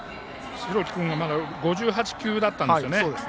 代木君がまだ５８球だったんですね。